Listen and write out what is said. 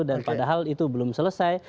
dan padahal itu belum selesai